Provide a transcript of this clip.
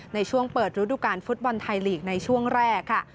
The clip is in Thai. ในช่วงเปิดฤดูการฟุตบอลไทยลีกในช่วงแรกค่ะ